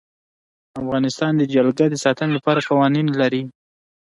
افغانستان د جلګه د ساتنې لپاره قوانین لري.